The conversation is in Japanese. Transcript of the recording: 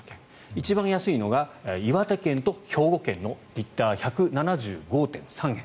一番安いのが岩手県と兵庫県のリッター１７５．３円。